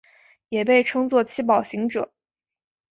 也被称作七宝行者。